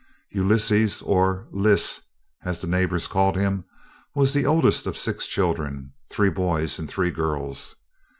Ulysses, or "Lys" as the neighbors called him, was the oldest of six children three boys and three girls.